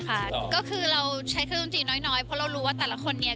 เพราะเรารู้ว่าแต่ละคนเนี้ยก็เหมือนเครื่องดนตรีอยู่แล้วอะไรเงี้ย